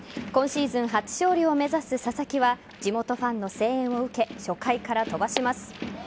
今シーズン初勝利を目指す佐々木は地元ファンの声援を受け初回から飛ばします。